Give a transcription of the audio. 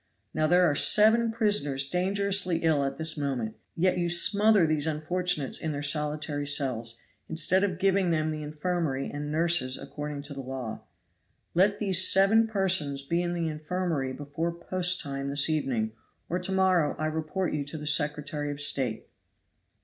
Now there are seven prisoners dangerously ill at this moment; yet you smother these unfortunates in their solitary cells, instead of giving them the infirmary and nurses according to the law. Let these seven persons be in the infirmary before post time this evening, or to morrow I report you to the Secretary of State."